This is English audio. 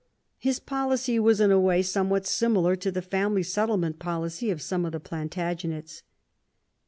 His policy was in a way somewhat similar to the family settlement policy of some of the Plantagenets.